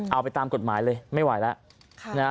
เอาไปตามกฎหมายเลยไม่ไหวแล้ว